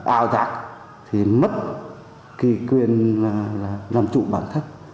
ảo giác thì mất kỳ quyền làm chủ bản thân